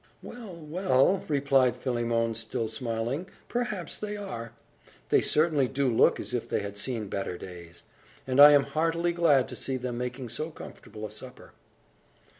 "Well, well," replied Philemon, still smiling, "perhaps they are. They certainly do look as if they had seen better days; and I am heartily glad to see them making so comfortable a supper."